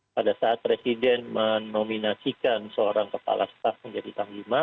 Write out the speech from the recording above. pada saat presiden menominasikan seorang kepala staf menjadi panglima